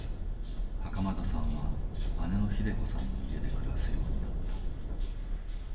袴田さんは姉の秀子さんの家で暮らすようになった。